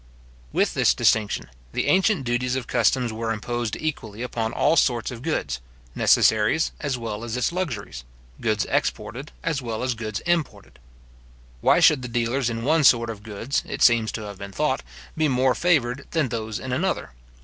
With this distinction, the ancient duties of customs were imposed equally upon all sorts of goods, necessaries as well its luxuries, goods exported as well as goods imported. Why should the dealers in one sort of goods, it seems to have been thought, be more favoured than those in another?